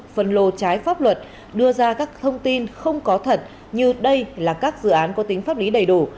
phần lô trái pháp luật đưa ra các thông tin không có thật như đây là các dự án có tính pháp lý đầy đủ